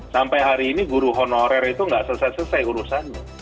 sampai hari ini guru honorer itu nggak selesai selesai urusannya